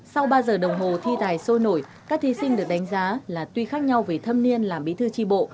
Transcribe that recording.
sau ba giờ đồng hồ thi tài sôi nổi các thí sinh được đánh giá là tuy khác nhau về thâm niên làm bí thư tri bộ